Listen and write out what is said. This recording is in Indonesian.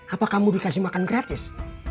apakah kamu dikasih makan gratis